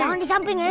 jangan di samping ya